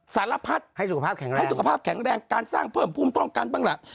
สารพัฒน์ให้สุขภาพแข็งแรงการสร้างเพิ่มภูมิต้องการปรังหลัก